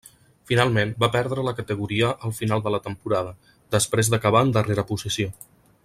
Finalment va perdre la categoria al final de la temporada, després d'acabar en darrera posició.